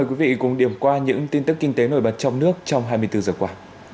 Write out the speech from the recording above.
quý vị cùng điểm qua những tin tức kinh tế nổi bật trong nước trong hai mươi bốn giờ qua